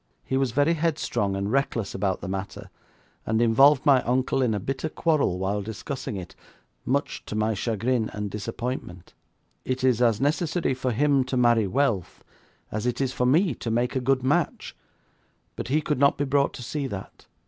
He was very headstrong and reckless about the matter, and involved my uncle in a bitter quarrel while discussing it, much to my chagrin and disappointment. It is as necessary for him to marry wealth as it is for me to make a good match, but he could not be brought to see that.